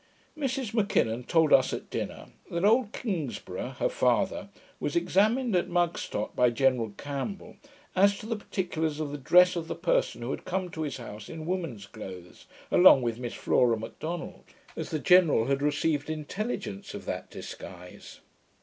Mrs M'Kinnon told us at dinner, that old Kingsburgh, her father, was examined at Mugstot, by General Campbell, as to the particulars of the dress of the person who had come to his house in woman's clothes, along with Miss Flora M'Donald; as the General had received intelligence of that disguise.